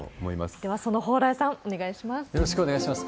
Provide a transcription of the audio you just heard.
ではその蓬莱さん、お願いします。